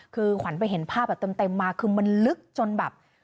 คือขวัญไปเห็นภาพแบบเต็มมาคือมันลึกจนแบบ